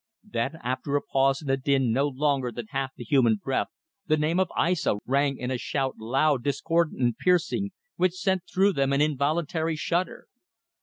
Then after a pause in the din no longer than half the human breath the name of Aissa rang in a shout loud, discordant, and piercing, which sent through them an involuntary shudder.